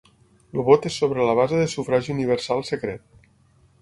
El vot és sobre la base de sufragi universal secret.